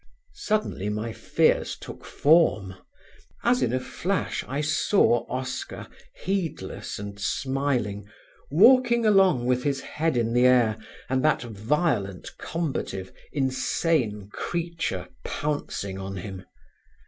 Suddenly my fears took form: as in a flash I saw Oscar, heedless and smiling, walking along with his head in the air, and that violent combative insane creature pouncing on him.